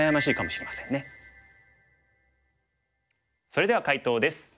それでは解答です。